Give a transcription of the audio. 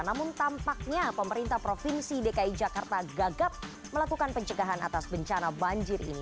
namun tampaknya pemerintah provinsi dki jakarta gagap melakukan pencegahan atas bencana banjir ini